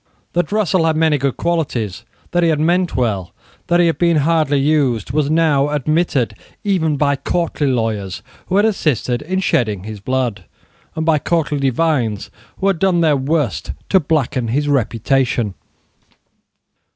That Russell had many good qualities, that he had meant well, that he had been hardly used, was now admitted even by courtly lawyers who had assisted in shedding his blood, and by courtly divines who had done their worst to blacken his reputation.